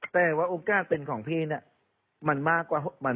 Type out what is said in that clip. เพราะว่าตอนแรกมีการพูดถึงนิติกรคือฝ่ายกฎหมาย